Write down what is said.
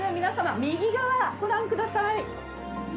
皆様右側ご覧ください。